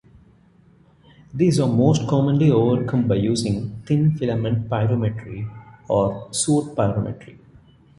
These are most commonly overcome by using thin filament pyrometry or soot pyrometry.